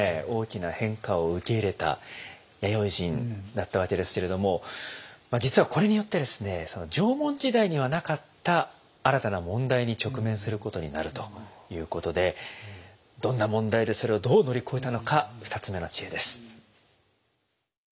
大きな変化を受け入れた弥生人だったわけですけれども実はこれによってですね縄文時代にはなかった新たな問題に直面することになるということでどんな問題でそれをどう乗り越えたのか２つ目の知恵です。